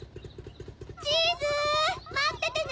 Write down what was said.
チーズまっててね！